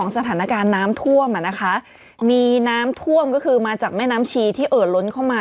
สถานการณ์น้ำท่วมอ่ะนะคะมีน้ำท่วมก็คือมาจากแม่น้ำชีที่เอ่อล้นเข้ามา